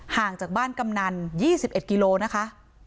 ห่างจากบ้านกำนัน๒๑กิโลนะคะ